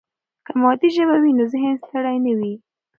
که مادي ژبه وي، نو ذهن ستړي نه وي.